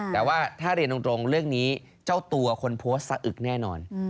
แต่ว่าถ้าเรียนตรงเรื่องนี้เจ้าตัวคนโพสต์สะอึกแน่นอน